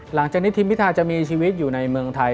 หลังจากนี้ทีมพิทาจะมีชีวิตอยู่ในเมืองไทย